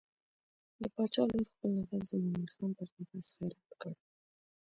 د باچا لور خپل نفس د مومن خان پر نفس خیرات کړ.